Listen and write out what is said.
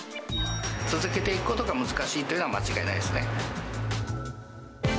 続けていくことが難しいというのは、間違いないですね。